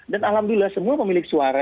dan alhamdulillah semua pemilik suara